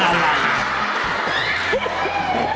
อะไร